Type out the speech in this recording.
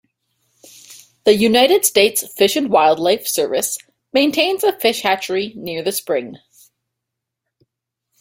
The United States Fish and Wildlife Service maintains a fish hatchery near the spring.